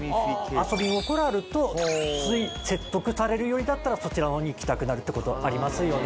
遊び心あるとつい説得されるよりだったらそちらの方に行きたくなるってことありますよね。